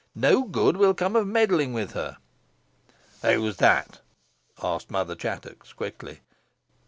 "No good will come of meddling with her." "Who's that?" asked Mother Chattox, quickly.